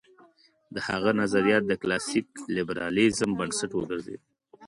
د هغه نظریات د کلاسیک لېبرالېزم بنسټ وګرځېد.